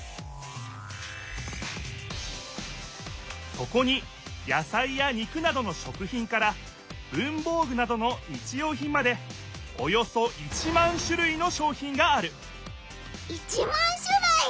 そこに野さいや肉などの食ひんから文ぼうぐなどの日用ひんまでおよそ１万しゅるいの商品がある１万しゅるい！？